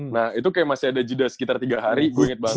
nah itu kayak masih ada jeda sekitar tiga hari gue inget banget